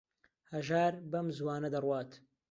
هەژار بەم زووانە دەڕوات.